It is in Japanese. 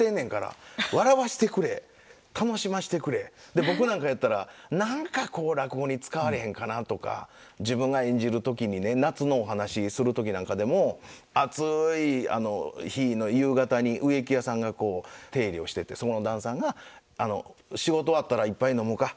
で僕なんかやったら何かこう落語に使われへんかなとか自分が演じる時にね夏のお噺する時なんかでも暑い日の夕方に植木屋さんがこう手入れをしててその旦さんが仕事終わったら「一杯飲もか。